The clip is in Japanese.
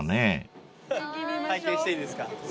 拝見していいですか？